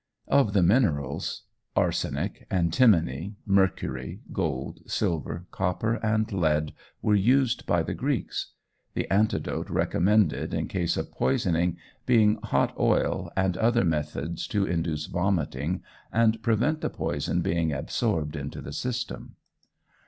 Of the minerals, arsenic, antimony, mercury, gold, silver, copper, and lead were used by the Greeks; the antidote recommended in case of poisoning being hot oil, and other methods to induce vomiting and prevent the poison being absorbed into the system.